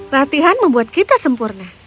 latihan membuat kita sempurna